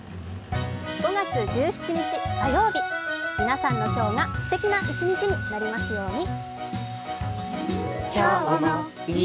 ５月１７日の火曜日、皆さんの今日がすてきな一日になりますように。